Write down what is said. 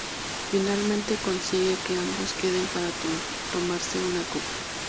Finalmente consigue que ambos queden para tomarse una copa.